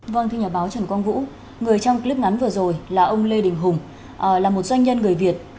vâng thưa nhà báo trần quang vũ người trong clip ngắn vừa rồi là ông lê đình hùng là một doanh nhân người việt